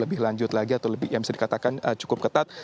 lebih lanjut lagi atau lebih yang bisa dikatakan cukup ketat